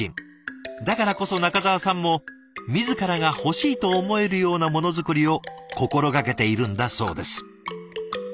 だからこそ仲澤さんも自らが欲しいと思えるようなものづくりを心がけているんだそうです。